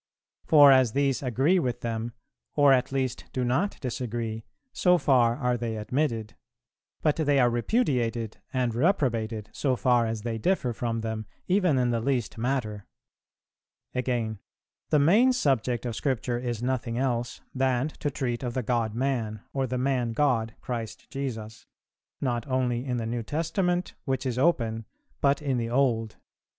For as these agree with them, or at least do not disagree, so far are they admitted; but they are repudiated and reprobated so far as they differ from them even in the least matter."[340:1] Again: "The main subject of Scripture is nothing else than to treat of the God Man, or the Man God, Christ Jesus, not only in the New Testament, which is open, but in the Old. ...